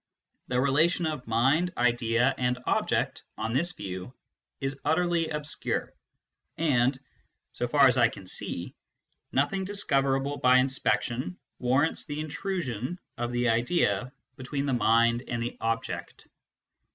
} The relation of mind, idea, and object, on this view, is utterly obscure, and, so far as I can see, nothing discoverable by inspection warrants the intrusion of the idea between the mind and the object.